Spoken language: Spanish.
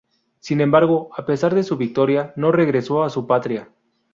Sin embargo, a pesar de su victoria, no regresó a su patria.